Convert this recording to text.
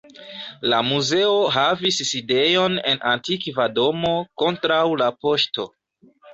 La muzeo havis sidejon en antikva domo kontraŭ la poŝto.